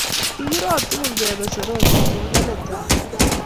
kikirot tugulu kebe Soroti, tumdo nebo tai.